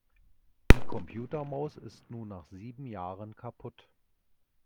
Die Computermaus ist nun nach sieben Jahren kaputt.